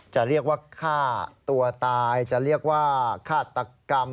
จะเรียกว่าฆ่าตัวตายจะเรียกว่าฆาตกรรม